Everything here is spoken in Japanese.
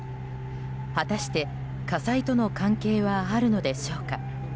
果たして、火災との関係はあるのでしょうか。